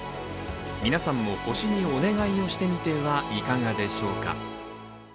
皆さんも、星にお願いをしてみてはいかがでしょうか。